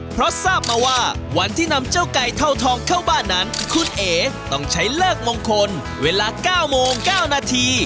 เพราะทราบมาว่าวันที่นำเจ้าไก่เท่าทองเข้าบ้านนั้นคุณเอ๋ต้องใช้เลิกมงคลเวลา๙โมง๙นาที